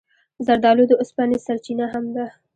زردالو د اوسپنې سرچینه هم ده.